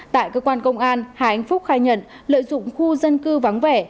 tại cơ quan công an hà anh phúc khai nhận lợi dụng khu dân cư vắng vẻ